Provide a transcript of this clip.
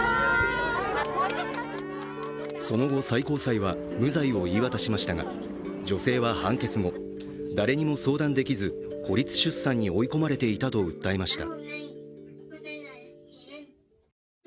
その後、最高裁は無罪を言い渡しましたが女性は判決後誰にも相談できず孤立出産に追い込まれていたと訴えました。